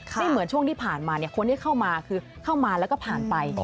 ไม่เหมือนช่วงที่ผ่านมาคนที่เข้ามาคือเข้ามาแล้วก็ผ่านไป